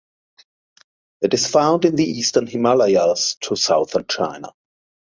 It is found in the eastern Himalayas to southern China.